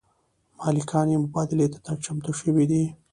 مالکان یې مبادلې ته چمتو شوي دي.